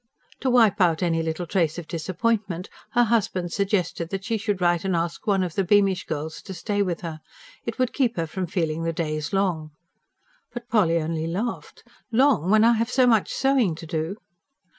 To wipe out any little trace of disappointment, her husband suggested that she should write and ask one of the Beamish girls to stay with her: it would keep her from feeling the days long. But Polly only laughed. "Long? when I have so much sewing to do?"